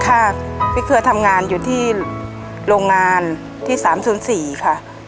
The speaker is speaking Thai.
ค่ะพี่เครือทำงานอยู่ที่โรงงานที่๓๐๔ค่ะ